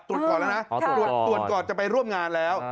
ก่อนแล้วนะตรวจก่อนจะไปร่วมงานแล้ว